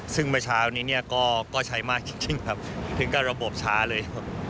ซึ่งมาเช้านี้ก็ใช้มากจริงถึงการระบบช้าเลย